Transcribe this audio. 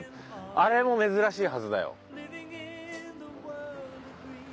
あれも珍しいはずだよ。